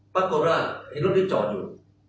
ปะโกราชเห็นรถนี้จอดอยู่